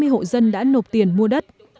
hai mươi hộ dân đã nộp tiền mua đất